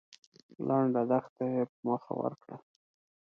لنډه دښته يې په مخه ورکړه.